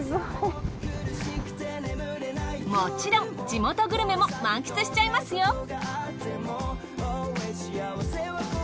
もちろん地元グルメも満喫しちゃいますよ。